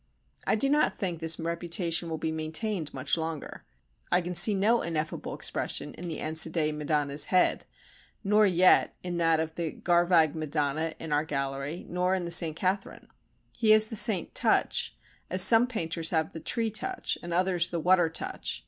I do not think this reputation will be maintained much longer. I can see no ineffable expression in the Ansidei Madonna's head, nor yet in that of the Garvagh Madonna in our gallery, nor in the S. Catharine. He has the saint touch, as some painters have the tree touch and others the water touch.